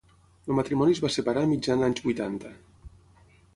El matrimoni es va separar a mitjan anys vuitanta.